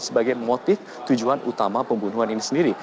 sebagai motif tujuan utama pembunuhan ini sendiri